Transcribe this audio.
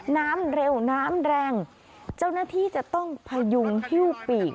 น้ำเร็วน้ำแรงเจ้าหน้าที่จะต้องพยุงฮิ้วปีก